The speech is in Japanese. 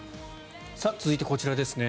続いてこちらです。